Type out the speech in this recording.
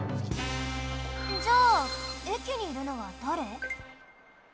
じゃあえきにいるのはだれ？